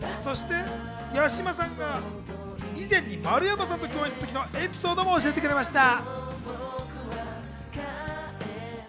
八嶋さんが以前に丸山さんと共演した時のエピソードも教えてくれました。